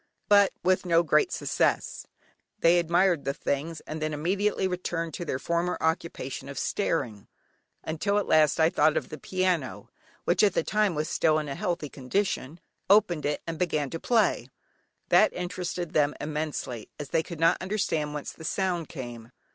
But with no great success; they admired the things and then immediately returned to their former occupation of staring, until at last I thought of the piano (which at that time was still in a healthy condition), opened it, and began to play. That interested them immensely, as they could not understand whence the sound came.